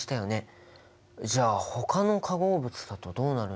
じゃあほかの化合物だとどうなるんだろう？